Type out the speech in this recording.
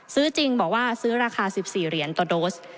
ซื้อจริงบอกว่าซื้อราคา๑๔เหรียญต่อโดส